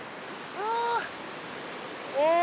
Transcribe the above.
ああ！